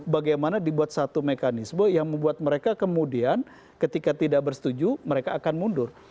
bagaimana dibuat satu mekanisme yang membuat mereka kemudian ketika tidak bersetuju mereka akan mundur